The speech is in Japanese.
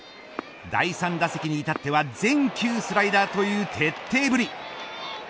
第３打席にいたっては全球スライダーという徹底ぶり。